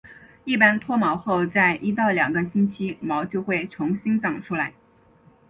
一般脱毛后在一到两个星期毛就回重新长出来。